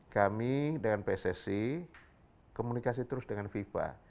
kami dengan pssi komunikasi terus dengan fifa